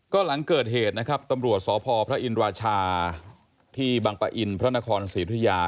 ก็หลังเกิดเหตุนะครับตำรวจสพพระอินราชาที่บังปะอินพระนครศรีธุยา